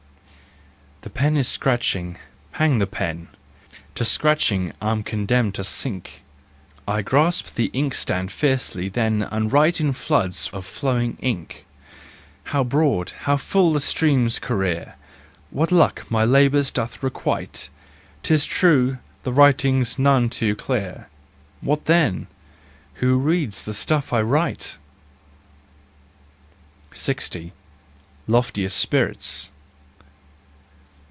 ... The pen is scratching: hang the pen ! To scratching I'm condemned to sink! I grasp the inkstand fiercely then And write in floods of flowing ink. How broad, how full the stream's career! What luck my labours doth requite! 'Tis true, the writing's none too clear— What then ? Who reads the stuff I write ? 6o. Loftier Spirits.